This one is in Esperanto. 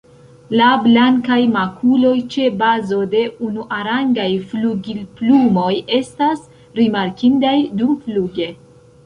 La blankaj makuloj ĉe bazo de unuarangaj flugilplumoj estas rimarkindaj dumfluge.